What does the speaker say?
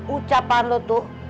ucapan lu tuh